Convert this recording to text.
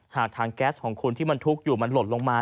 หากทางแก๊สของคุณที่มันทุกข์อยู่มันหล่นลงมา